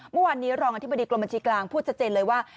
เมื่อวานนี้รองอธิบดีกรมบัญชีกลางพูดชัดเจนเลยว่า